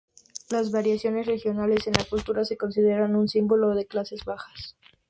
Las variaciones regionales en la cultura se considera un símbolo de las clases bajas.